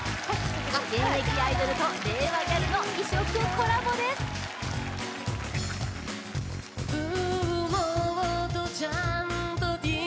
現役アイドルと令和ギャルの異色コラボですＯＫ！